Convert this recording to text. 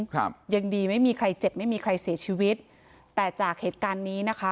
ครับยังดีไม่มีใครเจ็บไม่มีใครเสียชีวิตแต่จากเหตุการณ์นี้นะคะ